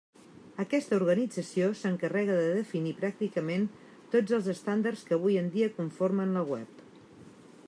Aquesta organització s'encarrega de definir pràcticament tots els estàndards que avui en dia conformen la web.